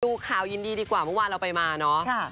ข่าวยินดีดีกว่าเมื่อวานเราไปมาเนอะ